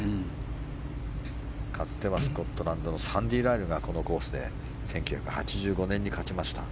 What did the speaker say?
かつてはスコットランドのサンディ・ライルがこのコースで１９８５年に勝ちました。